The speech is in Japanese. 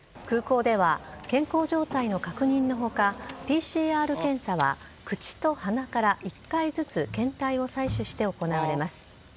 空港では、健康状態の確認のほか、ＰＣＲ検査は口と鼻から１回ずつ検体を採取して行われます。